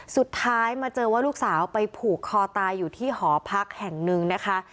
สุดท้ายมาเจอว่าลูกสาวไปผูกคอตายอยู่ที่หอพักแห่งหนึ่งนะคะ